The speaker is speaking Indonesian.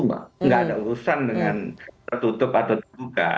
tidak ada urusan dengan tertutup atau terbuka